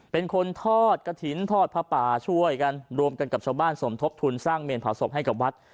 เป็นคนทอดกระถิ่นทอดผ้าป่าช่วยกันรวมกันกับชาวบ้านสมทบทุนสร้างเมนเผาศพให้กับวัด